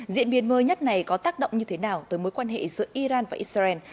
diễn biến mới nhất này có tác động như thế nào tới mối quan hệ giữa iran và israel